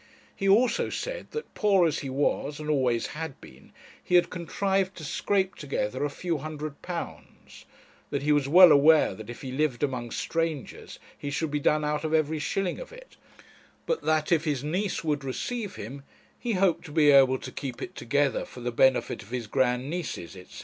He also said that, poor as he was and always had been, he had contrived to scrape together a few hundred pounds; that he was well aware that if he lived among strangers he should be done out of every shilling of it; but that if his niece would receive him, he hoped to be able to keep it together for the benefit of his grand nieces, &c.